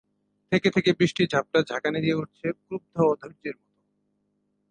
থেকে থেকে বৃষ্টির ঝাপটা ঝাঁকানি দিয়ে উঠছে ক্রুদ্ধ অধৈর্যের মতো।